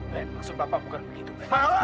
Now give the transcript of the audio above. ben maksud papa bukan begitu ben